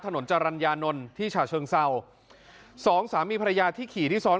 ถนนจรรยานนท์ที่ฉาเชิงเศร้าสองสามีภรรยาที่ขี่ที่ซ้อน